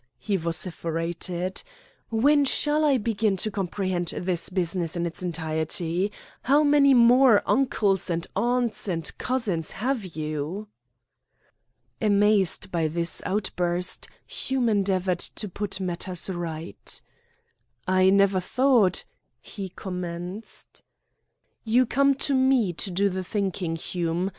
he vociferated, "when shall I begin to comprehend this business in its entirety? How many more uncles, and aunts, and cousins have you?" Amazed by this outburst, Hume endeavoured to put matters right. "I never thought " he commenced. "You come to me to do the thinking, Hume.